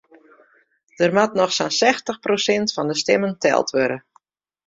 Der moat noch sa'n sechstich prosint fan de stimmen teld wurde.